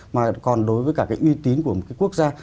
mà còn đối với cả cái uy tín của một cái quốc gia